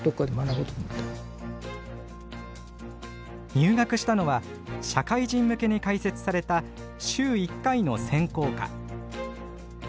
入学したのは社会人向けに開設された週１回の専攻科。